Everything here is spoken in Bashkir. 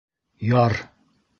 — Яр!